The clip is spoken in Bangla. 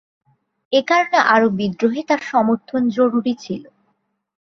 একারণে আরব বিদ্রোহে তার সমর্থন জরুরি ছিল।